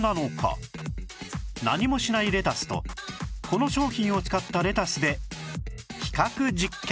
何もしないレタスとこの商品を使ったレタスで比較実験